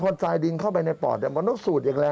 พอทรายดินเข้าไปในปอดเนี่ย